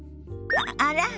あら？